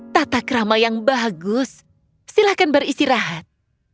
tata kerama yang bagus silahkan beristirahat